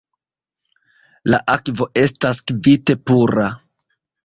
La akvo estas kvite pura.